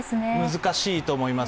難しいと思います。